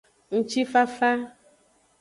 Ngutifafa.